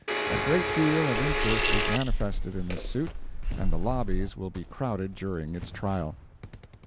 A great deal of interest is manifested in this suit, and the lobbies will be crowded during its trial.